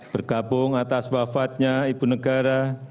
bergabung atas wafatnya ibu negara